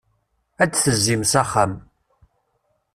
Ad d-tezim s axxam.